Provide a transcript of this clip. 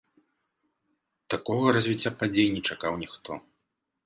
Такога развіцця падзей не чакаў ніхто.